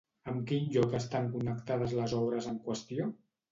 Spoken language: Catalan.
Amb quin lloc estan connectades les obres en qüestió?